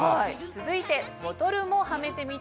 続いてボトルもはめてみてください。